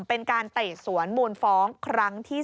เป็นการไต่สวนมูลฟ้องครั้งที่๓